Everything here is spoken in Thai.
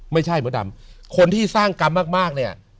ไม่ใช่หมดดำคนที่สร้างกรรมมาก